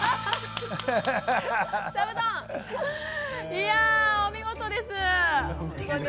いやお見事です。